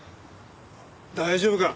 大丈夫か？